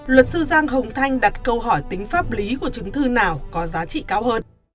luật sư giang hồng thanh đặt câu hỏi tính pháp lý của chứng thư nào có giá trị cao hơn